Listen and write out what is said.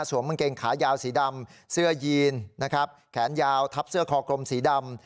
กางเกงขายาวสีดำเสื้อยีนนะครับแขนยาวทับเสื้อคอกลมสีดำ